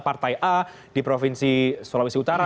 partai a di provinsi sulawesi utara